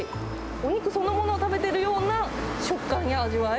お肉そのものを食べてるような食感や味わい。